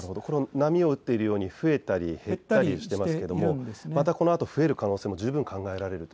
波を打っているように増えたり減ったりしているように見えますけどもまたこのあと増える可能性も十分考えられると。